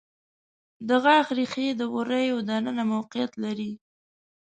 د غاښ ریښې د وریو د ننه موقعیت لري.